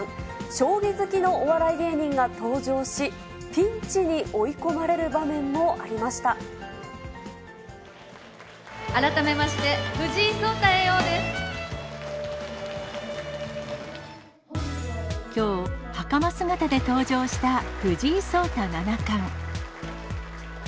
将棋好きのお笑い芸人が登場し、ピンチに追い込まれる場面もあり改めまして、藤井聡太叡王できょう、はかま姿で登場した藤井聡太七冠。